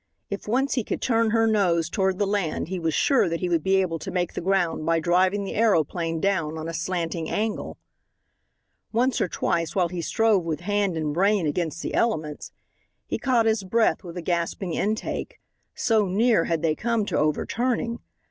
If once he could turn her nose toward the land he was sure that he would be able to make the ground by driving the aeroplane down on a slanting angle. Once or twice, while he strove with hand and brain against the elements, he caught his breath with a gasping intake so near had they come to overturning.